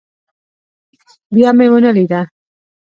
بيا مې ونه ليده.